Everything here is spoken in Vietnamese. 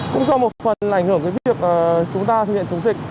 cũng do một phần ảnh hưởng đến việc chúng ta thực hiện chống dịch